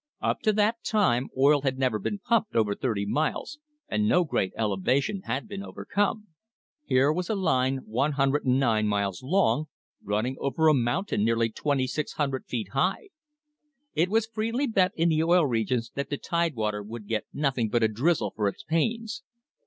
Up to that time oil had never been pumped over thirty miles, and no great elevation had been overcome. Here was a line 109 miles long, running over a mountain nearly 2,600 feet high. It was freely bet in the Oil Regions that the Tidewater would get nothing but a drizzle for its pains.